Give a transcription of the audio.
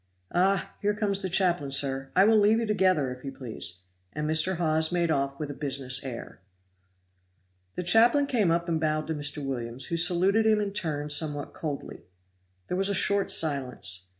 Ah! here comes the chaplain, sir. I will leave you together, if you please;" and Mr. Hawes made off with a business air. The chaplain came up and bowed to Mr. Williams, who saluted him in turn somewhat coldly. There was a short silence.